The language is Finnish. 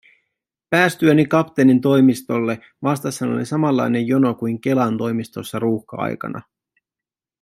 Päästyäni kapteenin toimistolle, vastassani oli samanlainen jono kuin Kelan toimistossa ruuhka-aikana.